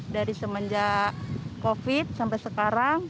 dari semenjak covid sampai sekarang